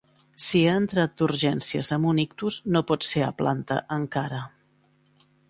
Si ha entrat d'urgències amb un ictus no pot ser a planta, encara.